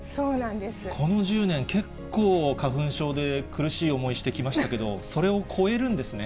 この１０年結構、花粉症で苦しい思いしてきましたけど、それを超えるんですね。